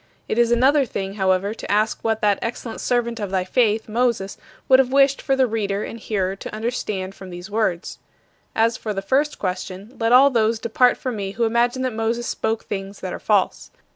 It is another thing, however, to ask what that excellent servant of thy faith, Moses, would have wished for the reader and hearer to understand from these words. As for the first question, let all those depart from me who imagine that Moses spoke things that are false.